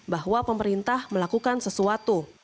bahwa pemerintah melakukan sesuatu